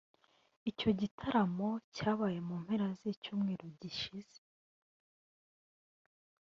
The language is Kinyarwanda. Icyo gitaramo cyabaye mu mpera z’icyumweru gishize